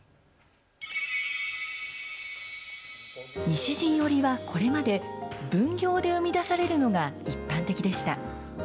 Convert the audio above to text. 西陣織はこれまで、分業で生み出されるのが一般的でした。